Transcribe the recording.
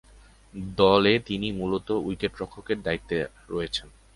দলে তিনি মূলতঃ উইকেট-রক্ষকের দায়িত্বে রয়েছেন।